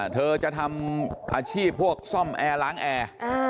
เธอจะทำอาชีพพวกซ่อมแอร์ล้างแอร์